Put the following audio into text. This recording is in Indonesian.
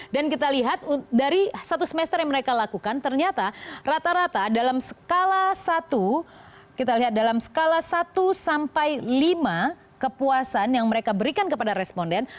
dan kita lihat dari satu semester yang mereka lakukan ternyata rata rata dalam skala satu sampai lima kepuasan yang mereka berikan kepada responden